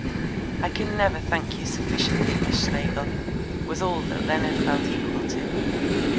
"I can never thank you sufficiently, Miss Schlegel," was all that Leonard felt equal to.